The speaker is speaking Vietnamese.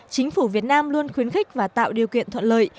chính phủ việt nam luôn khuyến khích và tạo điều kiện thuận lợi